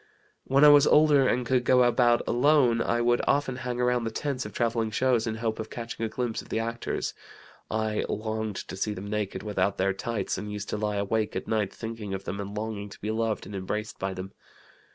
When I was older and could go about alone, I would often hang around the tents of travelling shows in hope of catching a glimpse of the actors. I longed to see them naked, without their tights, and used to lie awake at night thinking of them and longing to be loved and embraced by them.